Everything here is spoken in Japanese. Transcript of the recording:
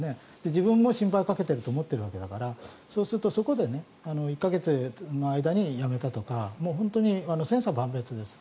自分も心配をかけていると思っているわけだからそこで１か月の間にやめたとか本当に千差万別です。